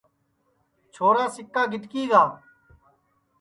چھورا سِکا گِٹکِی گا